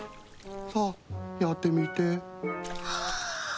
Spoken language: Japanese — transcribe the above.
さあやってみて。